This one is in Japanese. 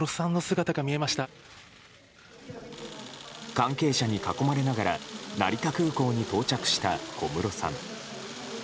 関係者に囲まれながら成田空港に到着した小室さん。